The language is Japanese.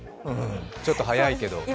ちょっと早いけど。